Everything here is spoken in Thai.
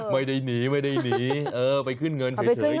ไม่ได้หนีไม่ได้หนีเออไปขึ้นเงินเฉยเดี๋ยวเจอกัน